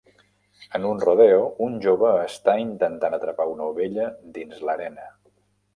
En un rodeo, un jove està intentant atrapar una ovella dins l'arena.